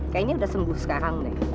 kayaknya sudah sembuh sekarang nih